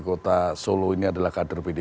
kota sulu ini adalah kader pd